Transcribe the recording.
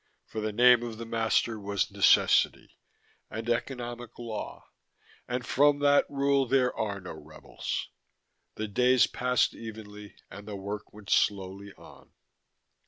For the name of the master was necessity, and economic law, and from that rule there are no rebels. The days passed evenly and the work went slowly on.